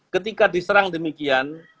ketika diserang demikian